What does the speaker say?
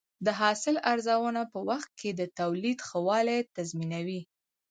د حاصل ارزونه په وخت کې د تولید ښه والی تضمینوي.